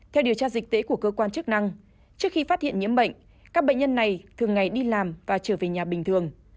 theo điều tra dịch tễ của cơ quan chức năng trước khi phát hiện nhiễm bệnh các bệnh nhân này thường ngày đi làm và trở về nhà bình thường